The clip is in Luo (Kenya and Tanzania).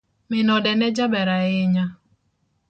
Min ode ne jaber ahinya.